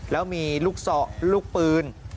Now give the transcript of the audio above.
แล้วมีลูกศอกลูกปืน